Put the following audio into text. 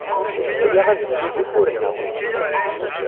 Aya ad yili d ufur-nneɣ.